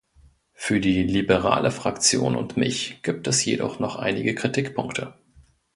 Für die liberale Fraktion und mich gibt es jedoch noch einige Kritikpunkte.